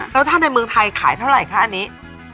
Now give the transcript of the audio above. แล้วถ้าในเมืองไทยขายเท่าไหร่คะอันนี้